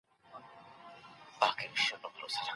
دولت مخکي هڅه کړي وه چي اقتصاد ښه کړي.